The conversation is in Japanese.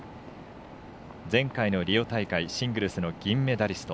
前回のリオ大会シングルスの銀メダリスト。